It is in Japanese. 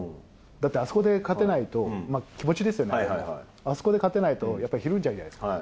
だって、あそこで勝てないと、気持ちですよね、あそこで勝てないと、やっぱりひるんじゃうじゃないですか。